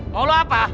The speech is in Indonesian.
mau lo apa ah